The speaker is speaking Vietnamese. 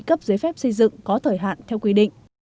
cấp giấy phép xây dựng có thời hạn theo quy định